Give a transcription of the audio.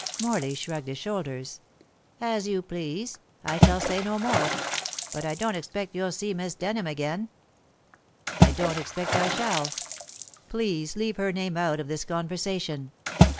Morley shrugged his shoulders. "As you please. I shall say no more. But I don't expect you'll see Miss Denham again." "I don't expect I shall. Please leave her name out of this conversation."